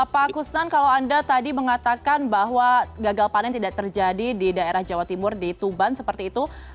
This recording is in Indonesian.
pak kusnan kalau anda tadi mengatakan bahwa gagal panen tidak terjadi di daerah jawa timur di tuban seperti itu